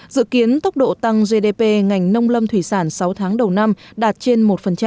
dự kiến tốc độ tăng gdp ngành nông lâm thủy sản sáu tháng đầu năm đạt trên một